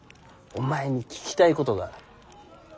お前に聞きたいことがある。